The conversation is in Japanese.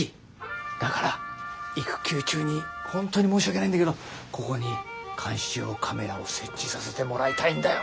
だから育休中に本当に申し訳ないんだけどここに監視用カメラを設置させてもらいたいんだよ。